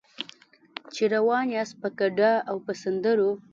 چې روان یاست په ګډا او په سندرو.